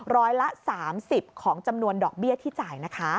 ร้อยละ๓๐ของจำนวนดอกเบี้ยที่จ่ายนะคะ